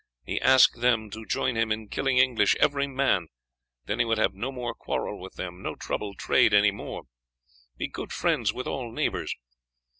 He ask them to join him in killing English, every man, then he would have no more quarrel with them, no trouble trade any more; be good friends with all neighbors.